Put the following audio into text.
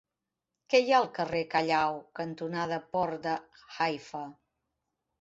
Què hi ha al carrer Callao cantonada Port de Haifa?